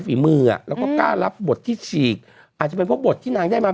ฝีมืออ่ะแล้วก็กล้ารับบทที่ฉีกอาจจะเป็นเพราะบทที่นางได้มา